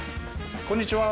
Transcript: こんにちは。